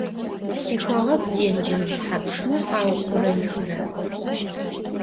Tixeğegu têncız thapşşme khauxhureihera?